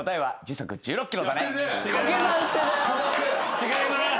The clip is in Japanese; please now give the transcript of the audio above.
違います。